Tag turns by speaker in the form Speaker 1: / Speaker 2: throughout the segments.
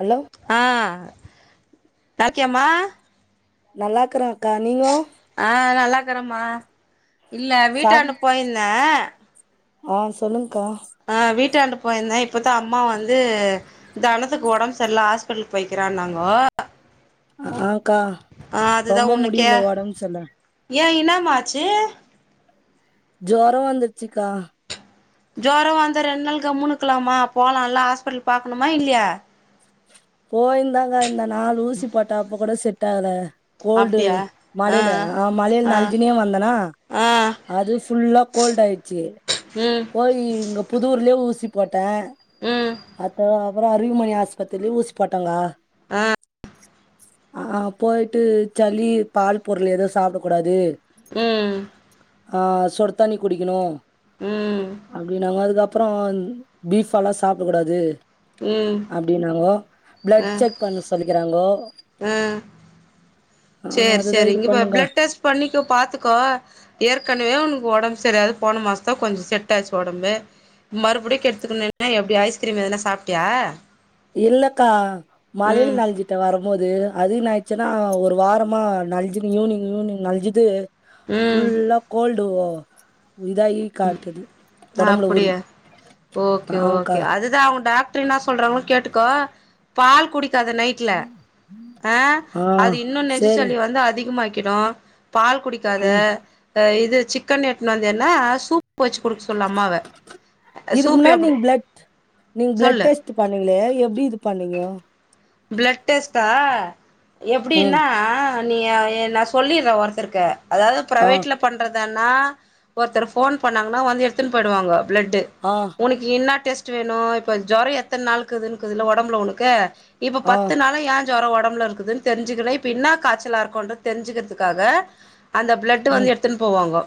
Speaker 1: hello
Speaker 2: ஆ நல்லா இருக்கியா மா
Speaker 1: நல்லாக்கிறேங்கக்கா நீங்க
Speaker 2: ஆ நல்லா இருக்கிறேமா இல்ல
Speaker 1: சாப்
Speaker 2: வீட்டாண்ட போயிருந்தே
Speaker 1: ஆ சொல்லுங்கா
Speaker 2: ஆ வீட்டாண்ட போயிருந்தே இப்பதா அம்மா வந்து தனத்துக்கு உடம்பு சரியில ஹாஸ்பிட்டலுக்கு போயிக்கிறனாங்கோ
Speaker 1: ஆ கா
Speaker 2: ஆ அதுதா
Speaker 1: ரொம்ப
Speaker 2: உன்ன கே
Speaker 1: முடியல உடம்பு சர்ல்ல
Speaker 2: ஏ என்னமா ஆச்சு
Speaker 1: ஜொரோ வந்துருச்சிக்கா
Speaker 2: ஜொரோ வந்த ரெண்டு நாள் கம் மூணுக்கலாமா போகலான்ல ஹாஸ்பிட்டல் பாக்கணுமா இல்லையா
Speaker 1: போயிருந்தாங்க இருந்தே நாலு ஊசி போட்ட அப்போ கூட செட் ஆகுல கோல்டு
Speaker 2: அப்டியா
Speaker 1: மலையில ஆ மலையில நனஞ்சுனே வந்தேனா
Speaker 2: ஆ
Speaker 1: அது ஃபுல்லா கோல்டு ஆயிடுச்சு
Speaker 2: ம்
Speaker 1: போய் இங்க புதூர்லே ஊசி போட்டே
Speaker 2: ம்
Speaker 1: அப்போ அப்பறோ அருவிமணி ஆஸ்பத்திரில போய் ஊசி போட்டே கா
Speaker 2: ஆ
Speaker 1: ஆ போயிட்டு சளி பால் பொருள் எது சாப்பிட கூடாது
Speaker 2: ம்
Speaker 1: ஆ சுடு தண்ணி குடிக்கணு
Speaker 2: ம்
Speaker 1: அப்டி நாங்க அதுக்கப்பறோ டீ ஃபால்டா சாப்பிட கூடாது
Speaker 2: ம்
Speaker 1: அப்டின்னாங்கோ பிளட் செக் பண்ண சொல்லிக்கிறாங்கோ
Speaker 2: ம்
Speaker 1: ஆ
Speaker 2: செரி
Speaker 1: அதுதா
Speaker 2: செரி
Speaker 1: இது
Speaker 2: இங்கப்ப
Speaker 1: பண்ணுங்க
Speaker 2: பிளட் டெஸ்ட் பண்ணிக்கோ பாத்துக்கோ ஏற்கனவே உனக்கு ஒடம்பு சரியாது போன மாசோ தா கொஞ்சோ செட் ஆச்சு ஒடம்பு மறுபடிக்கு எடுத்துக்குணு எப்டி ஐஸ்கிரீம் எதனா சாப்ட்டியா
Speaker 1: இல்லக்கா மழையில
Speaker 2: ம்
Speaker 1: நனைஞ்சு வரும்போது அது என்ன ஆச்சுன்னா ஒரு வாரமா நழ்ச ஈவினிங் ஈவினிங் நழஞ்சுட்டு
Speaker 2: ம்
Speaker 1: ஃபுல்லா கோல்டு இதாயி காட்டுது ஒடம்புல ஊறி
Speaker 2: அப்டியா ஓகே
Speaker 1: ஆக்கா
Speaker 2: ஓகே அது அவங்க டாக்டர் என்ன சொல்றாங்களோ கேட்டுக்கோ பால் குடிக்காது நைட்ல ஆ அது இன்னு
Speaker 1: சேரி
Speaker 2: நெஞ்சுசலி வந்து அதிகமாக்கிடு பால் குடிக்காத
Speaker 1: ம்
Speaker 2: இது சிக்கன் எடுட்த்துணு வந்தேன்னா சூப் வச்சு குடுக்க சொல்லு அம்மாவ
Speaker 1: இதுக்கு
Speaker 2: சூப்
Speaker 1: முன்னாடி
Speaker 2: எப்டி
Speaker 1: நீங்க பிளட் நீங்க பிளட்
Speaker 2: சொல்லு
Speaker 1: டெஸ்ட் இது பண்ணீங்களே எப்டி இது பண்ணீங்கோ
Speaker 2: பிளட் டெஸ்ட்டா
Speaker 1: ம்
Speaker 2: எப்டின்னா உன்னய நா சொல்லிடுறே ஒருத்தருக்கு அதாவது
Speaker 1: ஆ
Speaker 2: பிரைவேட்ல பண்றதன்னா ஒருத்தர் போன் பண்ணாங்கன்னா வந்து எடுத்துன்னு போயிடுவாங்க பிளட்
Speaker 1: ஆ
Speaker 2: உனக்கு என்ன டெஸ்ட் வேணும் இப்போ ஜோரம் எத்தன நாள்க்குதுல்ல ஒடம்புல ஒனக்கு இப்ப
Speaker 1: ஆ
Speaker 2: பத்து நாள்ம் யாரு ஜோரம் ஒடம்பு இருக்குதுன்னு தெரிஞ்சுக்கிறேன் இப்பின்ன காய்ச்சலா இருக்கும்ன்ற தெரிஞ்சுக்கிறதுக்காக அந்த பிளட் வந்து
Speaker 1: ம்
Speaker 2: எடுத்துன்ன போவாங்க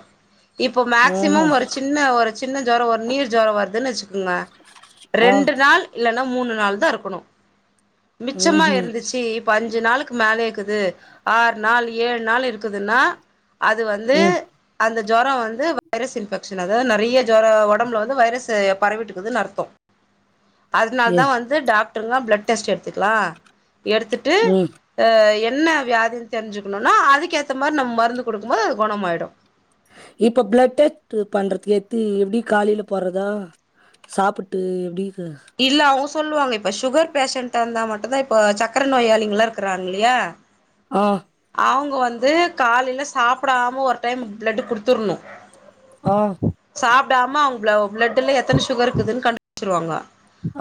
Speaker 2: இப்போ
Speaker 1: ம்ஹூம்
Speaker 2: மேக்சிமம்‌ ஒரு சி ன்ன ஒரு சின்ன ஜோரம் ஒரு நீர் ஜோரம் வருதுன்னு வெச்சுக்கோங்க
Speaker 1: ஆ
Speaker 2: ரெண்டு நாள் இல்லைன்னா மூணு நாள் தான் இருக்கணு மிச்சமா
Speaker 1: ம்ஹூம்
Speaker 2: இருந்துச்சு இப்ப அஞ்சு நாளுக்கு மேலே இர்க்குது ஆறு நாள் ஏழு நாள் இரு க்குதுன்னா அது வந்து
Speaker 1: ம்
Speaker 2: அந்த ஜோரம் வந்து வைரஸ் இன்பெக்ஷன் அதாவது நெறைய ஒடம்பு வந்து வைரஸ் பரவிட்டுக்குதுன்னு அர்த்தம் அதனால
Speaker 1: எ
Speaker 2: தான் வந்து டாக்டர்ல்லாம் பிளட் டெஸ்ட் எடுத்துக்கலாம் எடுத்துட்டு
Speaker 1: ம்
Speaker 2: ஹ என்ன வியாதிய்னு தெரிஞ்சுக்கணும்னா அதுக்கு ஏத்த மாரி நம்ம மருந்து கொடுக்கும் போது அது குணமாயிடும்
Speaker 1: இப்ப பிளட் டெஸ்ட் பண்றதுக்கு எத்து எப்ப காலையில போறதா சாப்பிட்டு எப்டி இக்கு
Speaker 2: இல்ல அவங்க சொல்லுவாங்க இப்ப சுகர் பேஷண்டா இருந்தா மட்டும்தான் இப்ப சக்கர நோயாளிங்கல்லாம் இருக்கிறாங்கலியா இல்லையா
Speaker 1: ஆ
Speaker 2: அவங்க வந்து காலையில சாப்பிடாம ஒரு டைம் பிளட் குடுத்துருணும்
Speaker 1: ஆ
Speaker 2: சாப்டாம அவங்க பிளட்டு்ல எத்தன சுகர் இருக்குதுன்னு கண்டுபிடிச்சிருவாங்க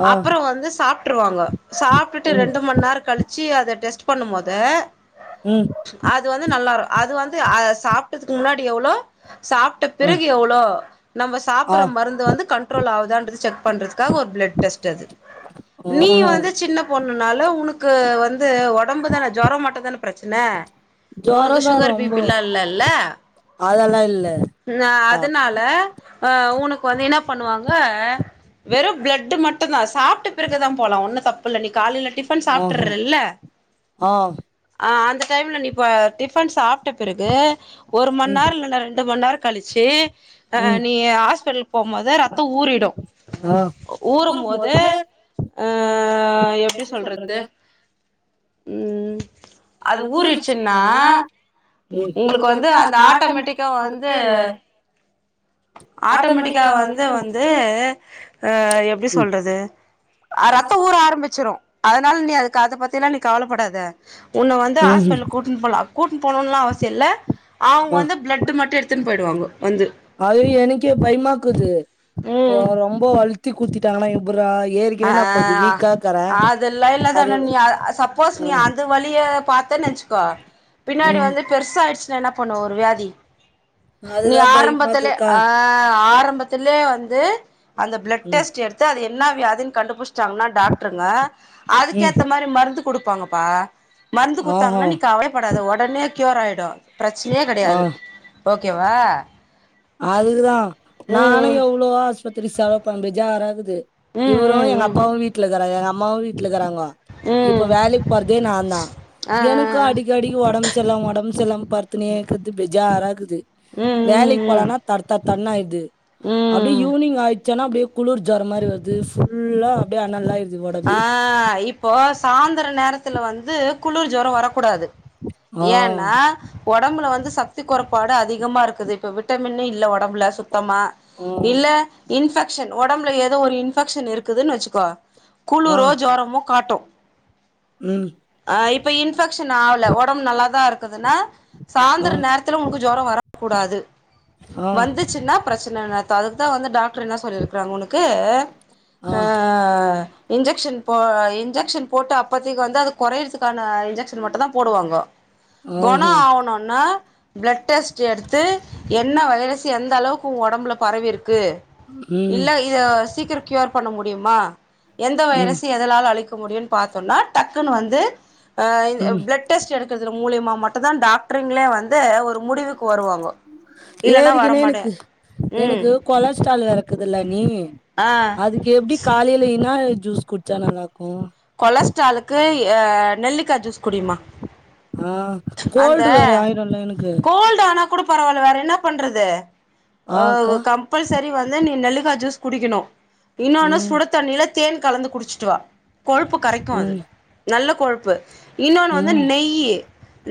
Speaker 1: ஆ
Speaker 2: அப்பறம் வந்து சாப்பிட்டுருவாங்க சாப்ட்டுட்டு
Speaker 1: ம்
Speaker 2: ரெண்டு மணி நேரம் கழி ச்சு அத டெஸ்ட் பண்ணும் போது
Speaker 1: ம்
Speaker 2: அது வந்து நல்லா இரு அது வந்து சாப்டத்துக்கு முன்னாடி எவ்ளோ சாப் ட்ட
Speaker 1: அ
Speaker 2: பிறகு எவ்ளோ நம்ம
Speaker 1: ஆ
Speaker 2: சாப்ற மருந்து வந்து கண்ட்ரோல் ஆவுதா செக் பண்றதுக்காக ஒரு பிளட் டெஸ்ட் அது நீ
Speaker 1: ஆஹா
Speaker 2: வந்து சின்ன பொண்ணுனால உனக்கு வந்து ஒடம்பு தானே ஜொர மட்டும் தான பிரச்சன உனக்கு
Speaker 1: ஜொரந்தா
Speaker 2: சுகர்
Speaker 1: ரொம்போ
Speaker 2: பீப்பில்லா இல்லல்ல
Speaker 1: அதெல்லா இல்லக்கா
Speaker 2: நா அதனால ஆ உனக் வந்து என்ன பண்ணுவாங்க வெறும் பிளட் மட்டும் தான் சாப்ட பிறகு தான் போல ஒன்னும் தப்புல்ல நீ காலையில டிபன்
Speaker 1: ஆஹா
Speaker 2: சாப்டுறல்ல
Speaker 1: ஆ
Speaker 2: ஆ அந்த டைம்ல நீ இப்ப டிபன் சாப்ட பிறகு ஒரு மணி
Speaker 1: ம்
Speaker 2: நேரம் இல்ல ரெண்டு மணி நேரம் கழிச்சி
Speaker 1: ம்
Speaker 2: நீ ஹாஸ்பிட்டலுக்கு போகும் போது ரத்தம் ஊறிடும்
Speaker 1: ஆ
Speaker 2: ஊரும்போது
Speaker 1: ஊறும்போது
Speaker 2: ஆ எப்டி சொல்றது ம் அது ஊறிச்சுன்னா உங்களுக்கு வந்து அந்த ஆட்டோமேட்டிக்கா வந்து
Speaker 1: ஆட்டோ
Speaker 2: ஆட்டோமேட்டிக்கா வந்து வந்து ஆ எப்டி
Speaker 1: ம்
Speaker 2: சொல்றது ஆ ரத்தம் ஊற ஆரம்பிச்சிரும் அதனால நீ அதுக்கு அதபத்தினா நீ கவலைப்படாத உன்னை வந்து
Speaker 1: ம்ஹூம்
Speaker 2: ஹாஸ்பிடல் கூட் கூட்ன்னு போனும்லாம் அவசியம் இல்ல அவங்க
Speaker 1: ஆ
Speaker 2: வந்து பிளட்டு் மட்டும் எடுத்துன்னு போயிடுவாங்க வந்து
Speaker 1: அதுவே‌ எனக்கே பயமாக்குது
Speaker 2: ம்
Speaker 1: ரொம்ப வழுத்தி குத்தி விட்டாங்கன்னா எப்புறா
Speaker 2: ஆ
Speaker 1: ஏரிச்கேனே நான் கொஞ்ச வீக்கா இக்குறேன் அது
Speaker 2: ஃபஸ்டு
Speaker 1: ஆ
Speaker 2: நீ அந்த வழிய பாத்து நினச்சுக்கோ பின்னாடி
Speaker 1: ம்
Speaker 2: வந்து பெருச ஆயிடுச்சுன்னா என்ன பண்ணுவ ஒரு வியாதி நீ
Speaker 1: அதுதா
Speaker 2: ஆரம்பத்துல
Speaker 1: பயமாக்குதுக்கா
Speaker 2: ஆ ஆரம்பத் த்தில்லே வந்து அந்த பிளட்
Speaker 1: ம்
Speaker 2: டெஸ்ட் எடுத்து அது என்னா வியாதின் கண்டு புட்ச்டாங்கனா டாக்டருங்க
Speaker 1: ம்
Speaker 2: அதுக்கேத்த மாரி மருந்து குடுப்பாங்கப்பா மருந்து
Speaker 1: ஆஹா
Speaker 2: குட்த்தாங்கனா நீ கவலயே படாத ஒடனே கியூர் ஆயிடு பிரச்சனையே
Speaker 1: ஆ
Speaker 2: கெடையாது ஓகேவா
Speaker 1: அதுக்குதா நானு
Speaker 2: ம்
Speaker 1: எவ்ளோ ஆஸ்பத்திரி செலவு பண்றத் பேஜாராக்குது
Speaker 2: ம்
Speaker 1: இவரு எங்க
Speaker 2: ம்
Speaker 1: அப்பாவு வீட்ல இக்கறாங்க எங்க அம்மாவு வீட்ல இக்கறாங்கோ
Speaker 2: ம் ம்
Speaker 1: இப்ப
Speaker 2: ம்
Speaker 1: வேலைக் போறதே நா தா
Speaker 2: ஆ ஆ
Speaker 1: எனுக்கு
Speaker 2: ஆ
Speaker 1: அடிக்கடிக் ஒடம் செர்லாம ஒடம் செர்லாம படுத்துனேக்கற்து பெஜாரா ருக்குது
Speaker 2: ம்
Speaker 1: வேலைக்
Speaker 2: ம்
Speaker 1: பலனா படுத்தா தண்ணாயிர்து
Speaker 2: ம்
Speaker 1: அப்டியே
Speaker 2: ம்
Speaker 1: ஈவுனிங் ஆய்டுச்சன்னா அப்டேயே குளுர் ஜொரோ மாரி வருது ஃபுல்லா அப்டியே அண்ணாந்து தா ஆய்ருது
Speaker 2: ஆ இப்போ சாந்தர நேரத்துல வந்து குளுர் ஜொரோ வரக்கூடாது
Speaker 1: ஆ
Speaker 2: ஏனா ஒடம்புல வந்து சத்து கொறப்பாடு அதிகமாக இருக்குது இப்போ விட்டமின்னே இல்ல ஒடம்புல சுத்தமா
Speaker 1: ஆ
Speaker 2: இல்ல இன்ஃபெக்ஷன் ஒடம்புல ஏதோ ஒரு இன்ஃபெக்ஷன் இருக்குதுன் வச்சுக்கோ
Speaker 1: ஆ
Speaker 2: குளுரோ ஜொரமோ காட்டு
Speaker 1: ம்
Speaker 2: ஆ இப்ப இன்ஃபெக்ஷன் ஆவுல ஒடம்பு நல்லாதா இருக்குதுனா
Speaker 1: ஆ
Speaker 2: சாந்தர நேரத்துல உனக்கு ஜொரோ வரக் கூடாது
Speaker 1: ஆ
Speaker 2: வந்துச்சுனா பிரச்சன நா த அதுக்தா வந்து டாக்டர் என்ன சொல்லியிருக்றாங் உனக்கு
Speaker 1: ஆ
Speaker 2: அ இன்ஜெக்ஷன் போ இன்ஜெக்ஷன் போட்டு அப்போத்திக்கு வந்து அது கொறையறதுக்கான இன்ஜெக்ஷன் மட்டு தா போடுவாங்கோ கொணோ
Speaker 1: ஆஹா
Speaker 2: ஆவுனுன்னா ப்ளட் டெஸ்ட்டு எடுத்து என்ன வைரஸ் எந்த அளவுக்கு உங் ஒடம்புல பரவிருக்கு
Speaker 1: ம்
Speaker 2: இல்ல இத சீக்கிரோ கியூர் பண்ண முடியுமா எந்த
Speaker 1: ம்
Speaker 2: வைரஸு எ தலால அழிக்க முடியுன் பாத்தோனா டக்குனு வந்து ஆ இந்த
Speaker 1: ம்
Speaker 2: பிளட் டெஸ்ட் எடுக்கிறதுல மூலியமா மட்டு தா டாக்டருங்ளே வந்து ஒரு முடிவுக்கு வருவாங்கோ
Speaker 1: ஏரிக்கினே எனக்கு
Speaker 2: ம்
Speaker 1: எனக்கு கொலஸ்ட்ரால் எறக்குதுல அண்ணீ
Speaker 2: ஆ
Speaker 1: அதுக் எப்டி காலைல இன்னா ஜூஸ் குட்ச்சா நல்லார்க்கு
Speaker 2: கொலஸ்ட்ராலுக்கு ஏ அ நெல்லிக்கா ஜூஸ் குடிமா
Speaker 1: ஆ
Speaker 2: அந்த
Speaker 1: கோல்டு வேற ஆயிருல்ல எனக்கு
Speaker 2: கோல்டு ஆனா கூட பரவால்ல வேற என்ன பண்றது
Speaker 1: ஆ
Speaker 2: அ
Speaker 1: அக்கா
Speaker 2: கம் கம்பல்சரி வந்து நீ நெல்லிகா ஜூஸ் குடிக்கனு இன்னொனு
Speaker 1: ம்
Speaker 2: சுட தண்ணில தேன் கலந்து குடிச்சிட்டு வா கொழுப்பு கரைக்கு அது
Speaker 1: ம்
Speaker 2: நல்ல கொழுப்பு இன்னொன்னு வந்து
Speaker 1: ம்
Speaker 2: நெய்யீ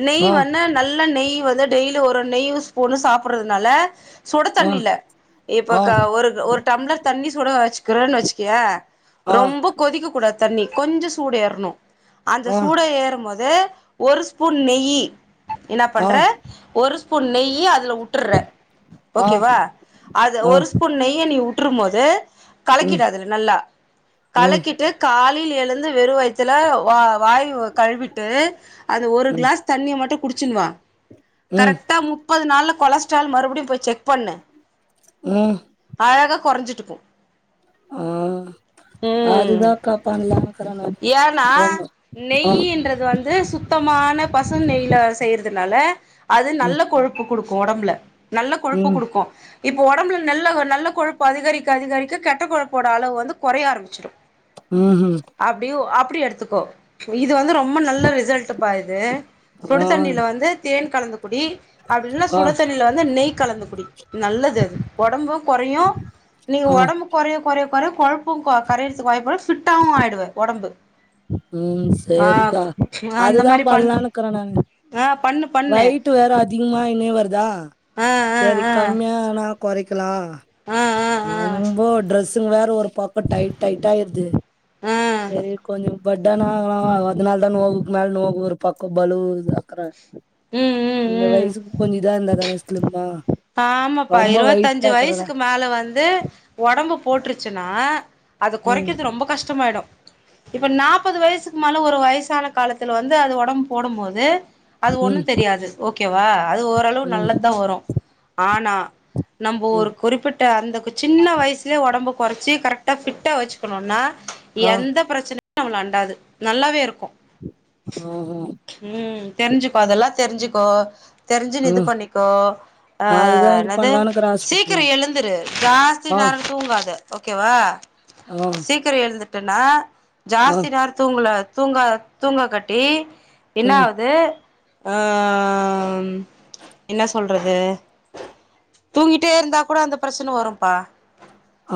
Speaker 2: நெய்
Speaker 1: ஆ
Speaker 2: வன்னன் நல்ல நெய் வந்து டெய்லி ஒரு நெய் ஸ்பூன் சாப்ட்றதுனால சுட
Speaker 1: ஆ
Speaker 2: தண்ணில இப்ப
Speaker 1: ஆ
Speaker 2: க ஒரு ஒரு டம்ளர் தண்ணி சுட வச்சிக்கிறன் வச்சிக்கிய
Speaker 1: ஆ
Speaker 2: ரொம்ப கொதிக்க கூடாத் தண்ணி கொஞ்ச சூடேறணு அந்த
Speaker 1: ஆ
Speaker 2: சூட ஏறு போது ஒரு ஸ்பூன் நெய்யீ இன்னா
Speaker 1: ஆ
Speaker 2: பண்ற ஒரு ஸ்பூன் நெய்யீ அதுல உட்டுற்ற
Speaker 1: ஆ
Speaker 2: ஓகேவா அத
Speaker 1: ஆ
Speaker 2: ஒரு ஸ்பூன் நெய்ய நீ உட்ரு போது
Speaker 1: ம்
Speaker 2: கலக்கிடு அதுல நல்லா
Speaker 1: ம்
Speaker 2: கலக்கிட்டு காலைல எழுந்து வெறு வயித்துல வா வாய்வு கழ்விட்டு அந்த ஒரு
Speaker 1: ம்
Speaker 2: கிளாஸ் தண்ணிய மட்டு குடிச்சின் வா
Speaker 1: ம்
Speaker 2: கரெட்டா மு ப்பது நாள்ல கொலஸ்ட்ரால் மறுபடியு போய் செக் பண்ணு
Speaker 1: ம்
Speaker 2: அழகா கொறஞ்சிட்டுக்கு
Speaker 1: ம்
Speaker 2: ம்
Speaker 1: நானு
Speaker 2: ஏனா
Speaker 1: ரொம்ப ஆ
Speaker 2: நெய்யீன்றது வந்து சுத் சுத்தமான பசு நெய்ல செய்றதுனால அது
Speaker 1: ம்
Speaker 2: நல்ல கொழுப்பு குடுக்கும் ஒடம்ல நல்ல கொழுப்பு
Speaker 1: ம்
Speaker 2: குடுக்கும் இப்போ ஒடம்புல நல்ல ஒ நல்ல கொழுப்பு அதிகரிக்க அதிகரிக்க கெட்ட கொழுப்போட அளவு வந்து கொறைய ஆரம்பிச்சிரு
Speaker 1: ம் ம்
Speaker 2: அப்டியு அப்டி எடுத்துக்கோ இது வந்து ரொம்ப நல்ல ரிசல்ட்டு்பா இது சுடு
Speaker 1: ஆ
Speaker 2: தண்ணில வந்து தேன் கலந்து குடி அப்டில்னா
Speaker 1: ஆ
Speaker 2: சுடு தண்ணில வந்து நெய் கலந்து குடி நல்லதது ஒடம்பும் கொறையும் நீங்க
Speaker 1: ஆ
Speaker 2: ஒடம்பு கொறய கொறய கொறய கொழப்பும் கொ கரையத்துக்கு வாய்ப்பு ஃபிட்டாவு ஆயிடுவா ஒடம்பு
Speaker 1: ம்
Speaker 2: ஆ
Speaker 1: சேரிக்கா
Speaker 2: அந்த
Speaker 1: அதுதா
Speaker 2: மாரி பண்
Speaker 1: பண்லானுக்கிற நானு
Speaker 2: ஆ பண்ணு பண்ணு
Speaker 1: வய்ட்டு் வேற அதிகமாயினே வருதா
Speaker 2: ஆ ஆ
Speaker 1: சரி
Speaker 2: ஆ
Speaker 1: கம்மியானா கொறைக்லாம்
Speaker 2: ஆ ஆ ஆ
Speaker 1: ரொம்ப ட்ரெஸ்ஸுங்க வேற ஒரு பக்கம் டைட் டைட்டாய்ருது
Speaker 2: ஆ
Speaker 1: சரி கொஞ் [unintelligible]
Speaker 2: ம்
Speaker 1: [unintelligible]
Speaker 2: ம்
Speaker 1: இந்த
Speaker 2: ம்
Speaker 1: வயசுக்கு கொஞ்ச இதா இருந்தா தான சிலிம்மா
Speaker 2: ஆமாப்பா இருவத்தஞ்சி வயசுக்கு மேல வந்து ஒடம்பு போட்ருச்னா அது
Speaker 1: ம்
Speaker 2: கொறைக்கது ரொம்ப கஷ்டமாயிடும் இப்போ நாப்பது வயசுக்கு மேல ஒரு வயசான காலத்துல வந்து அது ஒடம் போடும் போது அது
Speaker 1: ம்
Speaker 2: ஒண்ணுதெரியாது ஓகே வா அது ஓரளவு
Speaker 1: ம்
Speaker 2: நல்லத்தா வரு ஆனா நம்ப ஒரு
Speaker 1: ம்
Speaker 2: குறிப்பிட் டா அந்த கு சின்ன வயசுல ஒடம்ப கொறச்சி கரெக்டா ஃபிட்டா வச்சுக்ணுனா
Speaker 1: ஆ
Speaker 2: எந்தப் பிரச்சனயு நம்ள அண்டாது நல்லாவேருக்கும்
Speaker 1: ம் ம்
Speaker 2: ம் தெரிஞ்சிக்கோ அதெலா தெரிஞ்சிக்கோ தெரிஞ்சி நீ இது
Speaker 1: ம்
Speaker 2: பண்ணிக்கோ
Speaker 1: அதுதா இது பண்லானுக்ற
Speaker 2: சீக்ரொ எழுந்திரு ஜாஸ்தி நேரொ தூங்காத ஓகே வா
Speaker 1: ஆ
Speaker 2: சீக்ர எழுந்துட்டேன்னா
Speaker 1: ஆ
Speaker 2: ஜாஸ்தி நேர தூங்குல தூங்கா தூங்கா காட்டி
Speaker 1: ம்
Speaker 2: என்னாகுது ஆ என்ன சொல்றது தூங்கிட்டே இருந்தா கூட அந்த பிரச்சன வரும்பா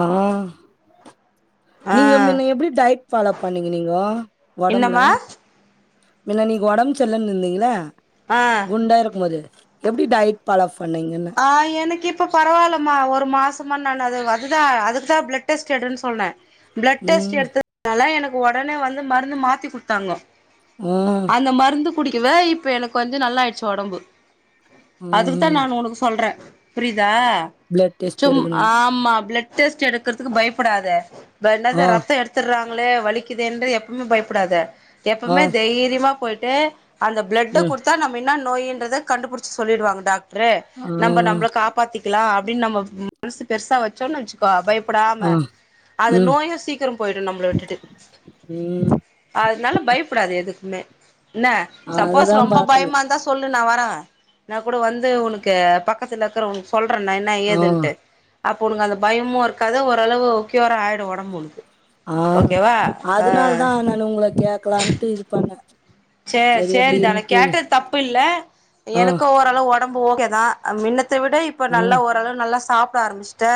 Speaker 1: ஆ
Speaker 2: ஆ
Speaker 1: நீங்க மின்ன எப்டி டயட் பாலோ பண்ணீங்க நீங்கோ ஒடம்ல
Speaker 2: என்னம்மா
Speaker 1: முன்ன நீங்க உடம்பு சரிலன்னு இருந்தீங்கள்ல
Speaker 2: ஆ
Speaker 1: குண்டா இருக்கும் போது எப்டி டயட் பாலோவ் பண்ணீங்க
Speaker 2: ஆ எனக்கு இப் இப்போ பரவால்லம்மா ஒரு மாசமா நான் அது அதுதான் அதுக்கு தான் பிளட் டெஸ்ட் எடுன்னு சொன்னே ப்ளட் டெஸ்ட்
Speaker 1: ம்
Speaker 2: எடுத்தனால எனக்கு உடனே வந்து மருந்து மாத்தி கொடுத்தாங்கோ
Speaker 1: ஆ
Speaker 2: அந்த மருந்து குடிக்கவே இப்ப எனக்கு வந்து நல்லாயிருச்சி உடம்பு அதுக்குதான்
Speaker 1: ம்
Speaker 2: நான் உனக்கு சொல்றேன் புரியுதா
Speaker 1: பிளட் டெஸ்ட்
Speaker 2: சும்
Speaker 1: எடுக்கணுன்
Speaker 2: ஆமா பிளட் டெஸ்ட் எடுக்கறதுக்கு பயப்படாத என்னத
Speaker 1: ஆ
Speaker 2: ரத்தம் எடுத் துறாங்களே வலிக்குதே ன்று எப்பமே பயப்படாத
Speaker 1: ஆ
Speaker 2: எப்பமே தைரியமா போயிட்டு அந்த பிளட்ட
Speaker 1: ம்
Speaker 2: கொடுத்தா நம்ம என்ன நோயன்றத கண்டுபிடிச்சு சொல்லிடுவாங்க டாக்டரு
Speaker 1: ஆ
Speaker 2: நம்ம நம்மளுக்கு ஆ பாத்திக்கலாம் அப்படின்னு நம்ம மனசு பெருசா வச்சொம்னு வச் ப பயப்படாம
Speaker 1: ஆ
Speaker 2: அந்த
Speaker 1: ம்
Speaker 2: நோயும் சீக்கிரம் போயிடும் நம்மளை விட்டுட்டு
Speaker 1: ம்
Speaker 2: அதனால பயப்படாது எதுக்குமே என்ன சப்போஸ்
Speaker 1: அதுதா
Speaker 2: ரொம்ப
Speaker 1: பாத்துனு
Speaker 2: பயமா இருந்தா சொ சொல்லு நான் வரேன் நான் கூட வந்து உனக்கு பக்கத்துல இருக்க உனக்கு சொல்றேன் நான் எ என்ன
Speaker 1: ஆ
Speaker 2: ஏதுன்ட்டு அப்ப ஒன்கு அந்த பயமு இருக்காது ஓரளவு கியுரா ஆயிரு ஒடம்பு ஒனக்கு
Speaker 1: ஆ அதனால தா நானு உங்கல கேக்கலாட்டு இது பண்ணே
Speaker 2: சேர்
Speaker 1: செரி
Speaker 2: சேரி தனோ
Speaker 1: எப்டின்ட்டு
Speaker 2: கேட்டது தப்பு இல்ல
Speaker 1: ஆ
Speaker 2: எனக்கு ஓரளவு ஒடம்பு ஓகே தா மின்னத்த விட இப்ப நல்லா
Speaker 1: ம்
Speaker 2: ஓரளவு நல்லா சாப்பிட ஆரம்பிச்சுட்ட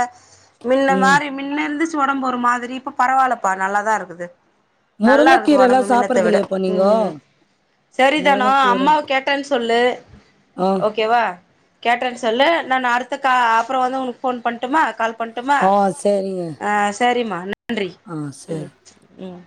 Speaker 2: மின்ன
Speaker 1: ம்
Speaker 2: மாரி மின்ன இருந்துச்சு ஒடம்பு ஒரு மாதிரி இப்ப பரவால்லப்பா நல்லாதா இருக்குது நல்லா இருக்குது
Speaker 1: முருங்கக்கீரல்லா
Speaker 2: ஒடம்பு மின்னத்த
Speaker 1: சாப்பறது
Speaker 2: விட
Speaker 1: இல்லையாப்பா நீங்கோ
Speaker 2: சரி தானோ
Speaker 1: முருங்கக்கீர
Speaker 2: அம்மாவ கேட்டேன்னு சொல்லு
Speaker 1: [inaudible]
Speaker 2: ஓகேவா கேட்டேன்னு சொல்லு நானு அடுத்த கா அப்றோ வந்து உங்களுக்கு ஃபோன் பண்ணுட்டுமா கால் பண்ணட்டுமா
Speaker 1: ஆ சேரிங்க
Speaker 2: செரிமா நன்றி
Speaker 1: ஆ சேரி
Speaker 2: ம்